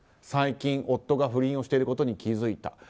最近、夫が不倫をしていることに気付いた。